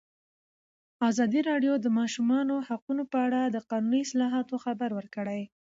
ازادي راډیو د د ماشومانو حقونه په اړه د قانوني اصلاحاتو خبر ورکړی.